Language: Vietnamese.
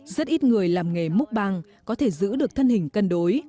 rất ít người làm nghề múc băng có thể giữ được thân hình cân đối